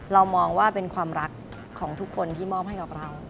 เรามองว่าเป็นความรักของทุกคนที่มอบให้กับเรา